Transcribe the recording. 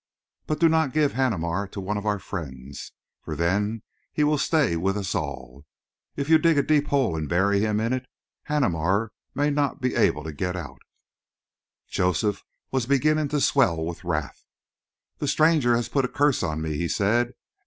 But do not give Haneemar to one of our friends, for then he will stay with us all. If you dig a deep hole and bury him in it, Haneemar may not be able to get out." Joseph was beginning to swell with wrath. "The stranger has put a curse on me," he said.